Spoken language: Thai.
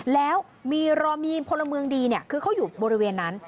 แล้วมีรอมีพลเมืองดีคือเขาอยู่บริเวณนั้น